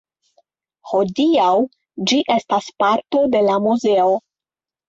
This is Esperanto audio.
Hodiaŭ ĝi estas parto de la muzeo.